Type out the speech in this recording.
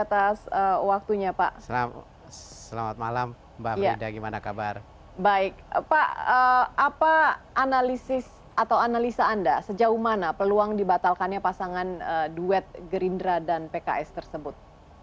atau analisa anda sejauh mana peluang dibatalkannya pasangan duet gerindra dan pks tersebut